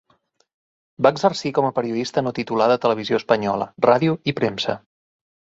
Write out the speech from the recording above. Va exercir com a periodista no titulada a Televisió Espanyola, ràdio i premsa.